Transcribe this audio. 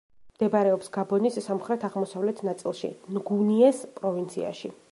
მდებარეობს გაბონის სამხრეთ-აღმოსავლეთ ნაწილში, ნგუნიეს პროვინციაში.